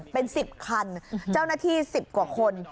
เป็น๑๐คันเจ้าหน้าที่๑๐กว่าคน